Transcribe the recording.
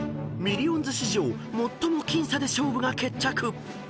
［ミリオンズ史上最も僅差で勝負が決着］